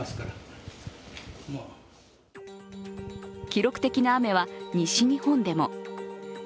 記録的な雨は、西日本でも。